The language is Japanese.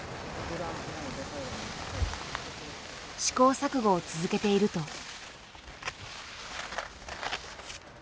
試行錯誤を続けていると。